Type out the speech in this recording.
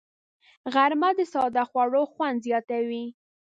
غرمه د ساده خوړو خوند زیاتوي